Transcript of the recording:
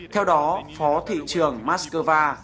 theo đó phó thị trưởng moscow